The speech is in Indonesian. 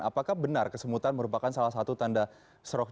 apakah benar kesemutan merupakan salah satu tanda stroke